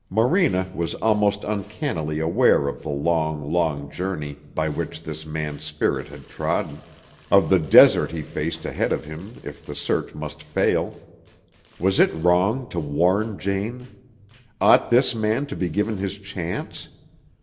Morena was almost uncannily aware of the long, long journey by which this man's spirit had trodden, of the desert he faced ahead of him if the search must fail. Was it wrong to warn Jane? Ought this man to be given his chance?